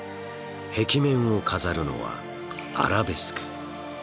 壁面を飾るのはアラベスク。